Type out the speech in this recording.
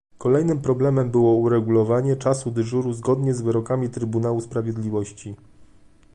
Kolejnym problemem było uregulowanie czasu dyżuru zgodnie z wyrokami Trybunału Sprawiedliwości